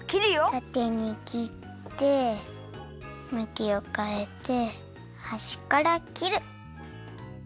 たてにきってむきをかえてはしからきる。